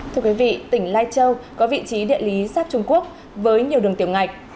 thưa quý vị tỉnh lai châu có vị trí địa lý sát trung quốc với nhiều đường tiểu ngạch